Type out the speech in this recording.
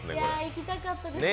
いきたかったです。